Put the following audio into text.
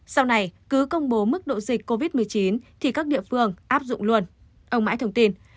sau này cứ công bố mức độ dịch covid một mươi chín thì các địa phương áp dụng luôn ông mãi thông tin